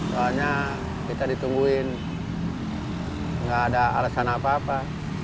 soalnya kita ditungguin nggak ada alasan apa apa